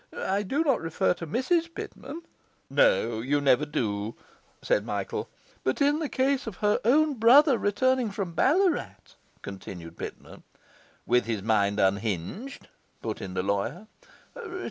I do not refer to Mrs Pitman. ..' 'No, you never do,' said Michael. '... but in the case of her own brother returning from Ballarat. ..' continued Pitman. '... with his mind unhinged,' put in the lawyer.